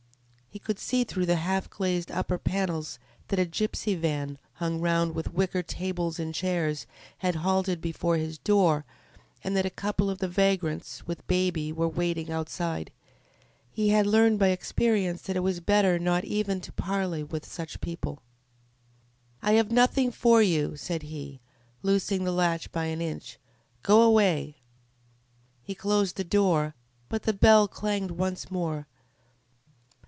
He could see through the half glazed upper panels that a gypsy van, hung round with wicker tables and chairs, had halted before his door, and that a couple of the vagrants, with a baby, were waiting outside. He had learned by experience that it was better not even to parley with such people. "I have nothing for you," said he, loosing the latch by an inch. "Go away!" He closed the door, but the bell clanged once more.